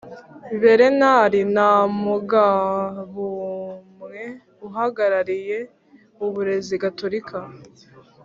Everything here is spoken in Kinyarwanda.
berenari ntamugabumwe, uhagarariye uburezi gatorika